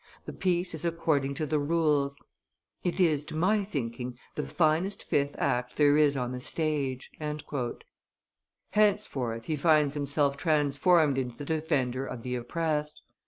The piece is according to the rules; it is, to my thinking, the finest fifth act there is on the stage." Henceforth he finds himself transformed into the defender of the oppressed.